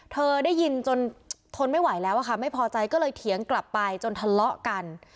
เธอได้ยินจนทนไม่ไหวแล้วอะค่ะไม่พอใจก็เลยเถียงกลับไปจนทะเลาะกัน